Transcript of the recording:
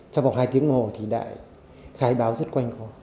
trong vòng hai tiếng ngồi thì lại khai báo rất quanh khó